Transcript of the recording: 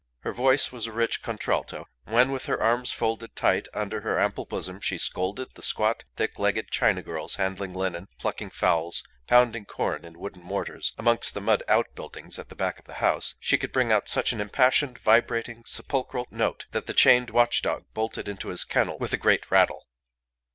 Her voice was a rich contralto. When, with her arms folded tight under her ample bosom, she scolded the squat, thick legged China girls handling linen, plucking fowls, pounding corn in wooden mortars amongst the mud outbuildings at the back of the house, she could bring out such an impassioned, vibrating, sepulchral note that the chained watch dog bolted into his kennel with a great rattle.